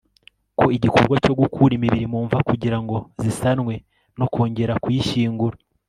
ko igikorwa cyo gukura imibiri mu mva kugira ngo zisanwe no kongera kuyishyingura